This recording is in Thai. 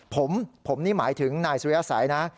ผมนี่หมายถึงนายสุริยสัยนะ